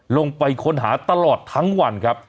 ลงไปค้นหาตลอดทั้งวันครับ